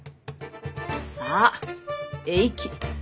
さあえいき。